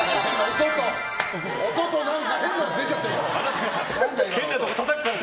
音と変なの出ちゃってるから。